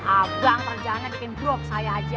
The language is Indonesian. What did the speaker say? abang perjalanan bikin brok saya aja